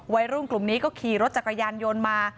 วัยรุ่นกลุ่มนี้ก็ขี่รถจักรยานยนต์มา